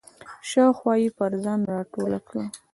شاوخوا یې پر ځان راټوله کړه.